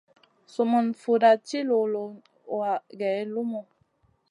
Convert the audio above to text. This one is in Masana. Sumun fuda ci luluna wa geyn lumu.